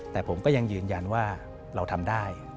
แต่ผมก็ยังยืนยันว่าเราทำได้